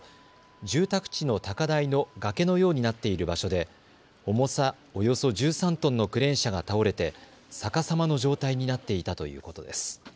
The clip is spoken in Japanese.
住宅地の高台の崖のようになっている場所で重さおよそ１３トンのクレーン車が倒れて逆さまの状態になっていたということです。